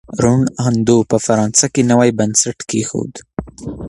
روڼ اندو په فرانسه کي نوی بنسټ کیښود.